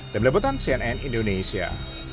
demi lebutan cnn indonesia